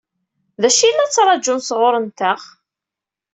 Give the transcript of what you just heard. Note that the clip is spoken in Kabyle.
D acu i la ttṛaǧun sɣur-nteɣ?